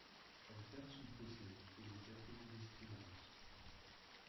Elle perd son procès et le cas fait jurisprudence.